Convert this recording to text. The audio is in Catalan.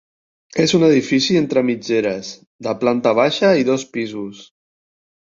És un edifici entre mitgeres, de planta baixa i dos pisos.